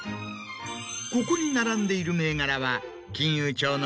ここに並んでいる銘柄は。